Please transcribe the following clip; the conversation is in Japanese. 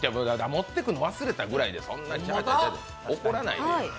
持ってくるの忘れたぐらいで、そんなに怒らないでよ。